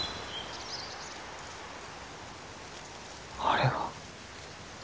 あれは。